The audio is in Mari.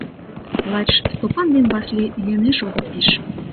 Лач Стопан ден Васлий йӧнеш огыт пиж.